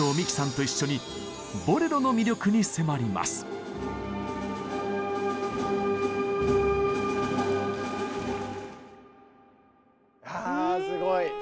今日はあすごい。